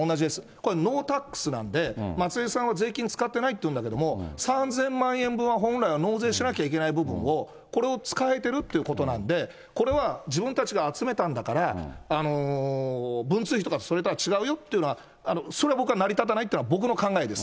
これ、ノータックスなんで、松井さんは税金を使ってないって言うんだけど、３０００万円分は本来は納税しなきゃいけない部分をこれを使えてるっていうことなんで、これは自分たちが集めたんだから、文通費とか、それとは違うよっていうのは、それは僕は、成り立たないというのは、僕の考えです。